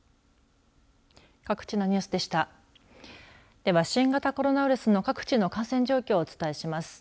では、新型コロナウイルスの各地の感染状況をお伝えします。